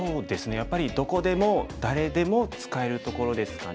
やっぱりどこでも誰でも使えるところですかね。